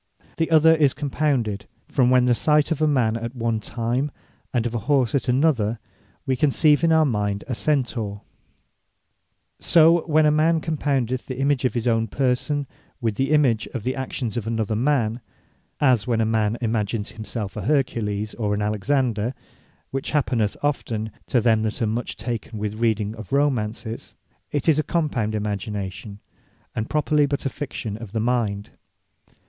The other is Compounded; as when from the sight of a man at one time, and of a horse at another, we conceive in our mind a Centaure. So when a man compoundeth the image of his own person, with the image of the actions of an other man; as when a man imagins himselfe a Hercules, or an Alexander, (which happeneth often to them that are much taken with reading of Romants) it is a compound imagination, and properly but a Fiction of the mind.